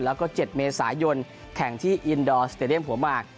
แล้วก็๗เมษายนแข่งที่อินดอร์สเตดียมหัวมาก